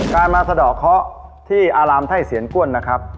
การมาสะดอกเคาะที่อารามไทยเสียนก้วนนะครับ